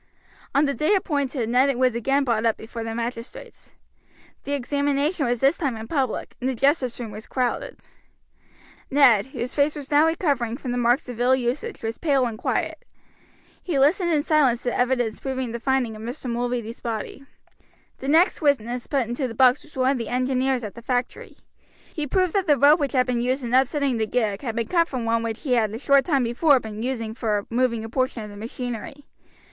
On the day appointed Ned was again brought up before the magistrates. The examination was this time in public, and the justice room was crowded. Ned, whose face was now recovering from the marks of ill usage, was pale and quiet. He listened in silence to the evidence proving the finding of Mr. Mulready's body. The next witness put into the box was one of the engineers at the factory; he proved that the rope which had been used in upsetting the gig had been cut from one which he had a short time before been using for moving a portion of the machinery.